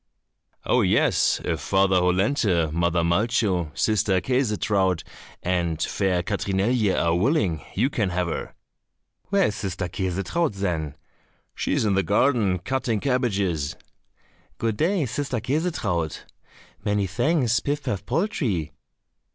"Oh, yes, if Father Hollenthe, Mother Malcho, Sister Käsetraut, and fair Katrinelje are willing, you can have her." "Where is Sister Käsetraut, then?" "She is in the garden cutting cabbages." "Good day, sister Käsetraut." "Many thanks, Pif paf poltrie."